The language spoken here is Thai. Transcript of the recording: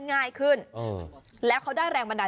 นี่คือเทคนิคการขาย